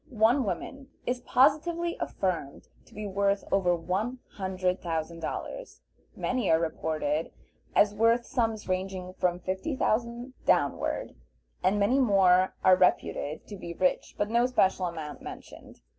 One woman is positively affirmed to be worth over one hundred thousand dollars, many are reported as worth sums ranging from fifty thousand downward, and many more are reputed to be rich, but no special amount mentioned.